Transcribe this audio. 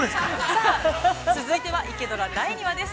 ◆さあ、続いては「イケドラ」、第２話です。